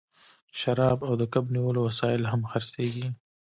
شراب او د کب نیولو وسایل هم خرڅیږي